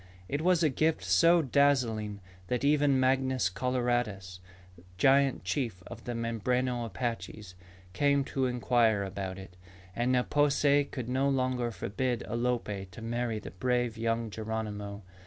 It was a gift so dazzling that even Mangus Coloradus, giant chief of the Mimbreno Apaches, came to inquire about it. And Ne po se could no longer forbid Alope to marry the brave young Geronimo.